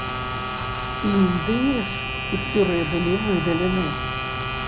Індыі ж кіпцюры былі выдалены.